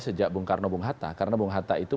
sejak bung karno bung hatta karena bung hatta itu